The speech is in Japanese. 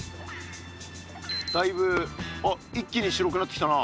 だいぶ一気に白くなってきたな。